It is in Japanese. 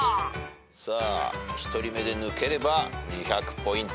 さあ１人目で抜ければ２００ポイント。